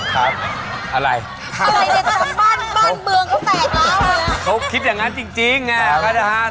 เขาคิดอย่างนั้นจริง